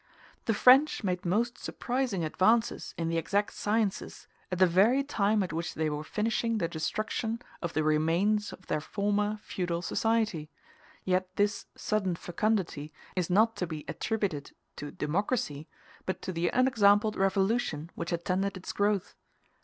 The French made most surprising advances in the exact sciences at the very time at which they were finishing the destruction of the remains of their former feudal society; yet this sudden fecundity is not to be attributed to democracy, but to the unexampled revolution which attended its growth.